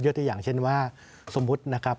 ตัวอย่างเช่นว่าสมมุตินะครับ